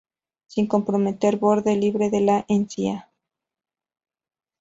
Sin comprometer borde libre de la encía.